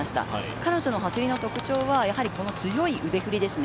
彼女の走りの特徴は強い腕振りですね。